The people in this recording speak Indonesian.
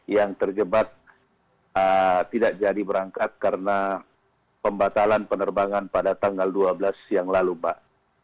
yang terjebak tidak jadi berangkat karena pembatalan penerbangan pada tanggal dua belas yang lalu mbak